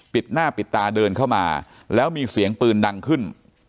ปิดหน้าปิดตาเดินเข้ามาแล้วมีเสียงปืนดังขึ้น